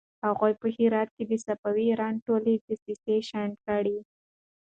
هغوی په هرات کې د صفوي ایران ټولې دسيسې شنډې کړې.